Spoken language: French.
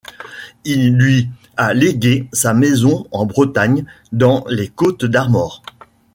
Il lui a légué sa maison en Bretagne, dans les Côtes d’Armor.